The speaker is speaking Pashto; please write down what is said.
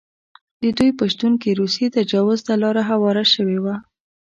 د دوی په شتون کې روسي تجاوز ته لاره هواره شوې وه.